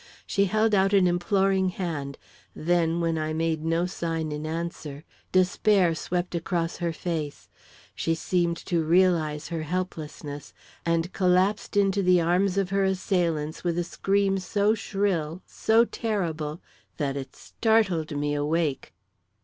She held out an imploring hand; then, when I made no sign in answer, despair swept across her face, she seemed to realise her helplessness, and collapsed into the arms of her assailants with a scream so shrill, so terrible that it startled me awake.